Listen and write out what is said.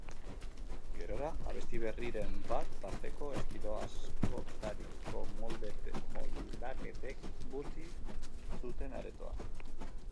Gerora, abesti berriren bat tarteko, estilo askotariko moldaketek busti zuten aretoa.